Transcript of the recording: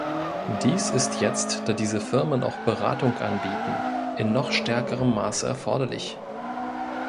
Dies ist jetzt, da diese Firmen auch Beratung anbieten, in noch stärkerem Maße erforderlich.